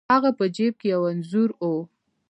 د هغه په جیب کې یو انځور و.